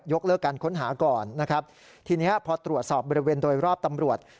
เลิกการค้นหาก่อนนะครับทีนี้พอตรวจสอบบริเวณโดยรอบตำรวจ